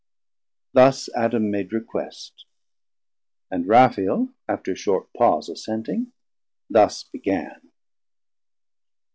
560 Thus Adam made request, and Raphael After short pause assenting, thus began.